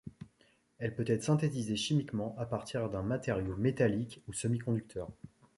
Elle peut être synthétisée chimiquement à partir d'un matériau métallique ou semi-conducteur.